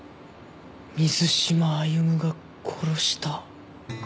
水島歩が殺した。